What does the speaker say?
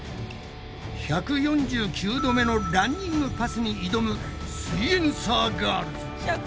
１４９度目のランニングパスに挑むすイエんサーガールズ！